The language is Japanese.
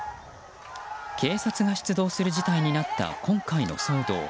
警察が出動する事態になった今回の騒動。